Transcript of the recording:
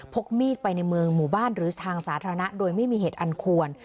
กมีดไปในเมืองหมู่บ้านหรือทางสาธารณะโดยไม่มีเหตุอันควร